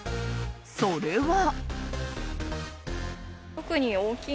それは。